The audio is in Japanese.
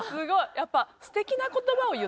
やっぱ。